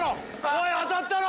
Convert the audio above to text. おい当たったろ！